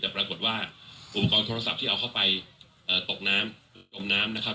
แต่ปรากฏว่าอุปกรณ์โทรศัพท์ที่เอาเข้าไปตกน้ำจมน้ำนะครับ